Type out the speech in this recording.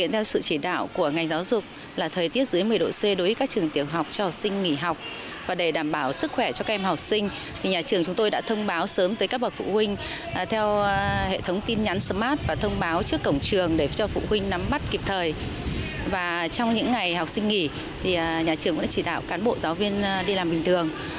trong những ngày học sinh nghỉ nhà trường đã chỉ đạo cán bộ giáo viên đi làm bình thường